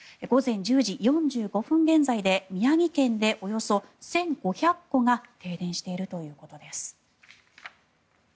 午前１０時４５分現在で宮城県でおよそ１５００戸が停電しているということです。